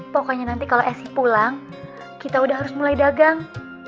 pokoknya nanti kalau esi pulang kita udah harus mulai dagang